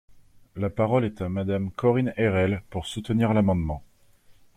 La parole est à Madame Corinne Erhel, pour soutenir l’amendement.